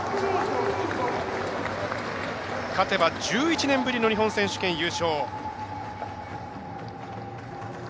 勝てば１１年ぶりの日本選手権優勝。